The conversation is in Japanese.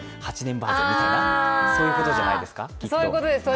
バージョンみたいな、そういうことじゃないですか。